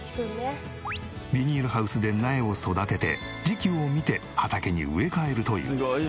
ビニールハウスで苗を育てて時期を見て畑に植え替えるという。